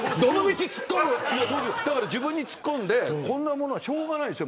だから自分にツッコんでこんなものはしょうがないです。